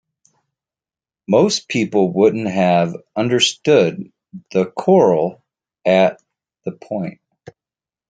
Most people wouldn't have understood the Coral at that point.